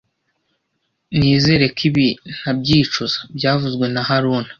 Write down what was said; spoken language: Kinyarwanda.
Nizere ko ibi ntabyicuza byavuzwe na haruna